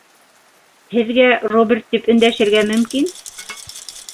Һеҙгә Роберт тип өндәшергә мөмкин.